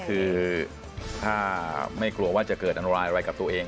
คือถ้าไม่กลัวว่าจะเกิดอันตรายอะไรกับตัวเอง